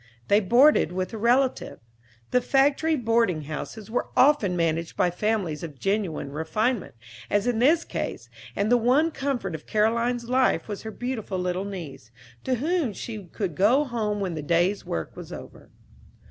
They boarded with a relative. The factory boarding houses were often managed by families of genuine refinement, as in this case, and the one comfort of Caroline's life was her beautiful little niece, to whom she could go home when the day's work was over.